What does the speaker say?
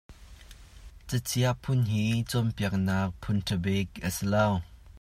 Ca ciah phung hi cawnpiaknak phung ṭha bik a si lo.